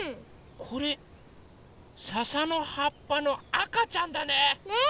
これささのはっぱのあかちゃんだね！ね！